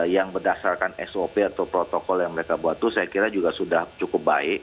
yang berdasarkan sop atau protokol yang mereka buat itu saya kira juga sudah cukup baik